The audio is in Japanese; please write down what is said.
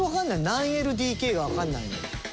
何ＬＤＫがわかんないのよ。